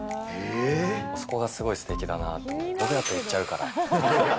そこがすごいすてきだなと、僕だったら言っちゃうから。